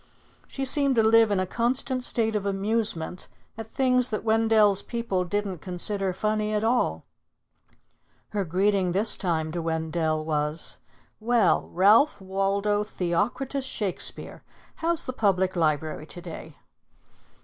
She seemed to live in a constant state of amusement at things that Wendell's people didn't consider funny at all. Her greeting this time to Wendell was, "Well, Ralph Waldo Theocritus Shakespeare, how's the Public Library to day?"